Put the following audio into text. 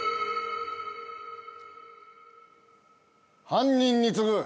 犯人に告ぐ。